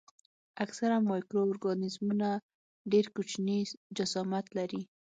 اکثره مایکرو ارګانیزمونه ډېر کوچني جسامت لري.